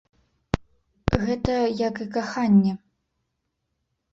Гэта як і каханне.